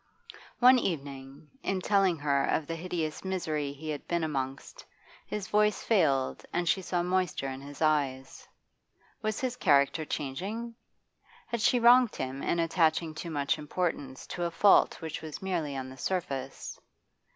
One evening, in telling her of the hideous misery he had been amongst, his voice failed and she saw moisture in his eyes. Was his character changing? Had she wronged him in attaching too much importance to a fault which was merely on the surface?